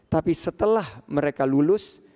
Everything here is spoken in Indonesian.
tapi setelah mereka lulus